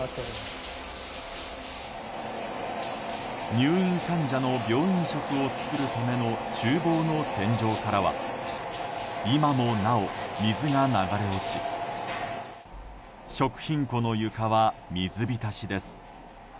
入院患者の病院食を作るための厨房の天井からは今もなお水が流れ落ち食品庫の床は水浸しです。